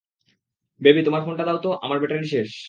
Baby, তোমার phone টা দেও তো, আমার ব্যাটারি শেষ।